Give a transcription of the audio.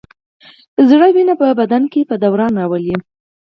زړه وینه په بدن کې په دوران راولي.